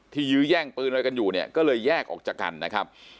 ยื้อแย่งปืนอะไรกันอยู่เนี่ยก็เลยแยกออกจากกันนะครับ